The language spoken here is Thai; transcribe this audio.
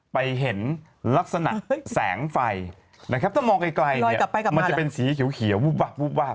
ไปเห็นลักษณะแสงไฟนะครับถ้ามองไกลเนี่ยมันจะเป็นสีเขียววูบวาบ